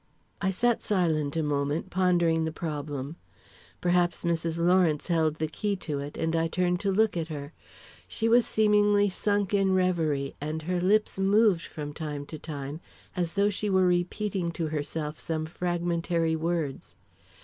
I sat silent a moment, pondering the problem. Perhaps Mrs. Lawrence held the key to it, and I turned to look at her. She was seemingly sunk in reverie, and her lips moved from time to time, as though she were repeating to herself some fragmentary words.